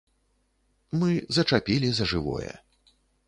Мы зачапілі за жывое.